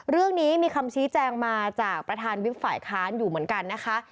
เรื่องนี้มีคำชี้แจงมาจากประธานวิบฝ่ายค้านอยู่เหมือนกันนะคะ